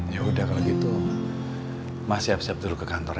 ya udah kalau gitu mah siap siap dulu ke kantor